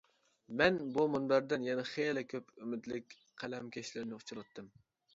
مەن بۇ مۇنبەردىن يەنە خېلى كۆپ ئۈمىدلىك قەلەمكەشلەرنى ئۇچراتتىم.